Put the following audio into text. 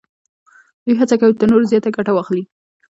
دوی هڅه کوي تر نورو زیاته ګټه واخلي